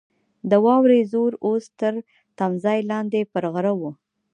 د واورې زور اوس تر تمځای لاندې پر غره وو.